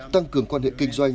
tăng cường quan hệ kinh doanh